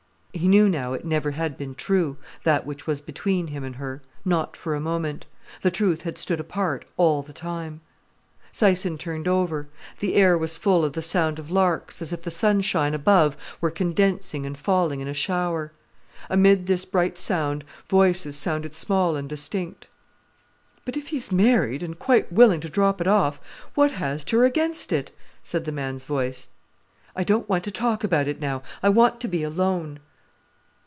He knew now it never had been true, that which was between him and her, not for a moment. The truth had stood apart all the time. Syson turned over. The air was full of the sound of larks, as if the sunshine above were condensing and falling in a shower. Amid this bright sound, voices sounded small and distinct. "But if he's married, an' quite willing to drop it off, what has ter against it?" said the man's voice. "I don't want to talk about it now. I want to be alone."